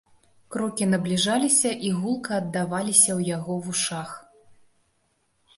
Крокі набліжаліся і гулка аддаваліся ў яго вушах.